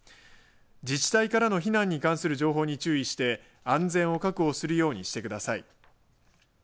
自治体からの避難に関する情報に注意して安全を確保するようにしてください。